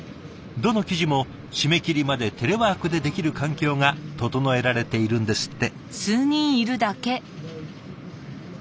どの記事も締め切りまでテレワークでできる環境が整えられているんですって。